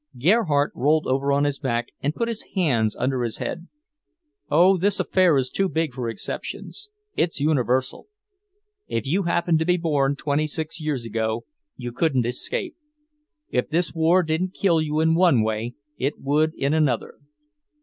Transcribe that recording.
Gerhardt rolled over on his back and put his hands under his head. "Oh, this affair is too big for exceptions; it's universal. If you happened to be born twenty six years ago, you couldn't escape. If this war didn't kill you in one way, it would in another."